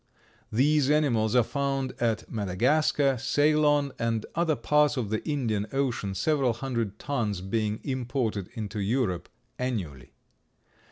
These animals are found at Madagascar, Ceylon and other parts of the Indian Ocean, several hundred tons being imported into Europe annually.